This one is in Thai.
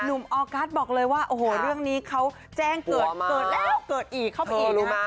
ออกัสบอกเลยว่าโอ้โหเรื่องนี้เขาแจ้งเกิดเกิดแล้วเกิดอีกเข้าไปอีก